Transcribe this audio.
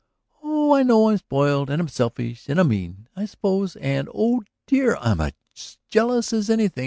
"Oh, I know. I'm spoiled and I'm selfish, and I'm mean, I suppose. And, oh dear, I'm as jealous as anything.